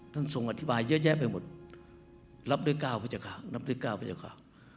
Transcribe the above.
ท่านทรงอธิบายเยอะแยะไปหมดรับด้วยก้าวพระเจ้าค่ะรับด้วยก้าวพระเจ้าค่ะ